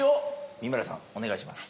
美村さんお願いします。